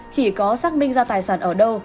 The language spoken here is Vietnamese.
chỉ có xác minh ra tài sản ở đâu